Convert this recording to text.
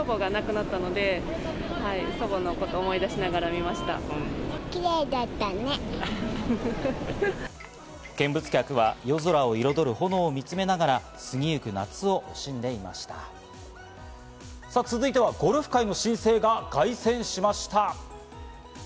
見物客は夜空を彩る炎を見つめながら続いてはゴルフ界の新星が凱旋しました。